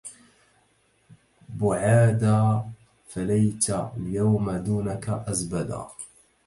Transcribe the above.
بعادا فليت اليم دونك أزبدا